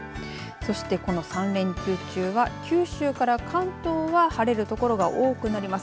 そしてこの３連休中は九州から関東は晴れるところが多くなります。